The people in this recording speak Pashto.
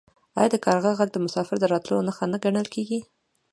آیا د کارغه غږ د مسافر د راتلو نښه نه ګڼل کیږي؟